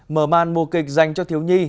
mở màn mùa kịch dành cho thiếu nhi